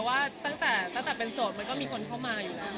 ว่าตั้งแต่เป็นโจทย์มันก็มีคนเข้ามาอยู่แล้ว